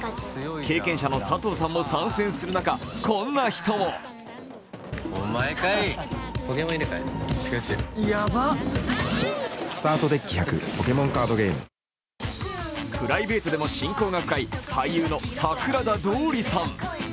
経験者の佐藤さんも参戦する中、こんな人もプライベートでも親交が深い俳優の桜田通さん。